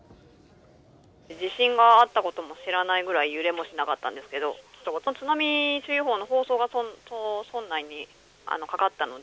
地震があったことも知らないくらい揺れもしなかったんですけど津波注意報の放送が村内にかかったので。